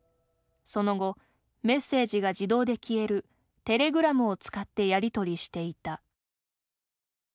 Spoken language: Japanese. その後、メッセージが自動で消えるテレグラムを使ってやりとりしていた。